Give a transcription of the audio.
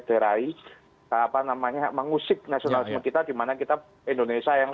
dimana kita indonesia yang kalau usia kita kita harus mencari kemampuan untuk mencapai kemampuan